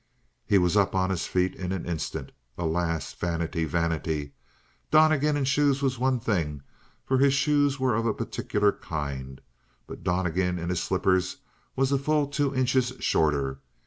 He was up on his feet in an instant. Alas, vanity, vanity! Donnegan in shoes was one thing, for his shoes were of a particular kind; but Donnegan in his slippers was a full two inches shorter.